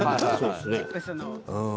チップスの。